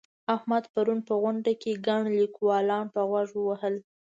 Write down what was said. احمد پرون په غونډه کې ګڼ ليکوالان په غوږ ووهل.